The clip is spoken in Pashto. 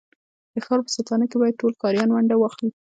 د ښار په ساتنه کي بايد ټول ښاریان ونډه واخلي.